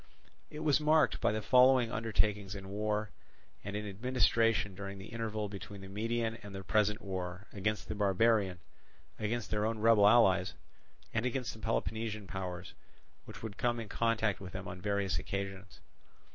It was marked by the following undertakings in war and in administration during the interval between the Median and the present war, against the barbarian, against their own rebel allies, and against the Peloponnesian powers which would come in contact with them on various occasions.